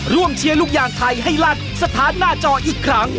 เชียร์ลูกยางไทยให้ลั่นสถานหน้าจออีกครั้ง